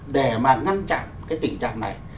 để mà ngăn chặn cái tình trạng này